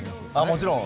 もちろん。